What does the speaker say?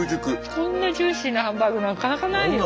こんなジューシーなハンバーグなかなかないよ？